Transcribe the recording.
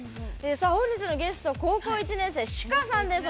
本日のゲスト高校１年生、シュカさんです。